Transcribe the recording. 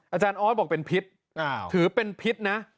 อาจารย์ออสบอกเป็นพิษถือเป็นพิษนะ